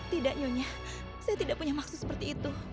tidak nyonya saya tidak punya maksud seperti itu